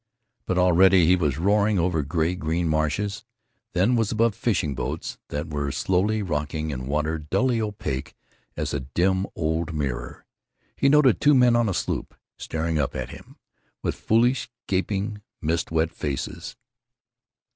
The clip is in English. But already he was roaring over gray green marshes, then was above fishing boats that were slowly rocking in water dully opaque as a dim old mirror. He noted two men on a sloop, staring up at him with foolish, gaping, mist wet faces.